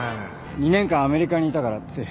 ２年間アメリカにいたからつい。